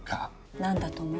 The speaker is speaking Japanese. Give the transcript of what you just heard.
何だと思う？